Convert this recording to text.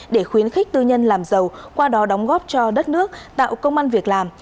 để khuyến khích tư nhân làm giàu qua đó đóng góp cho đất nước tạo công an việc làm